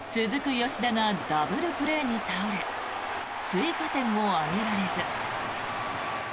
吉田がダブルプレーに倒れ追加点を挙げられず。